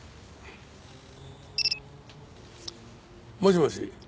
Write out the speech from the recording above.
もしもし。